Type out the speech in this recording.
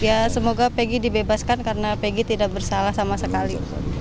ya semoga peggy dibebaskan karena pegg tidak bersalah sama sekali